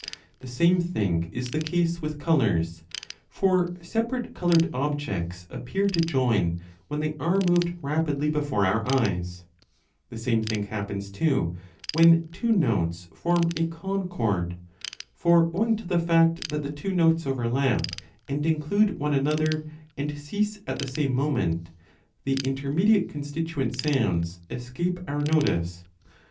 The same thing is the case with colours ; for separate coloured objects appear 40 to join, when they are moved rapidly before our eyes. The 1 8c>3 b 14. Reading fiimoTepav for / DE AUDIBILIBUS 8os b same thing happens, too, when two notes form a concord ; for owing to the fact that the two notes overlap and include one another and cease at the same moment, the inter 804* mediate constituent sounds escape our notice.